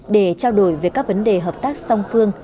để trao đổi về các vấn đề hợp tác song phương